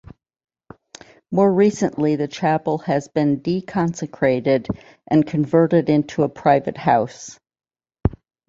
More recently the chapel has been deconsecrated and converted into a private house.